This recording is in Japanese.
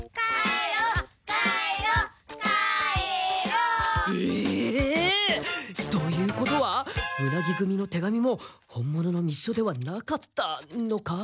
帰ろ！えええ？ということはウナギ組の手紙も本物の密書ではなかったのか？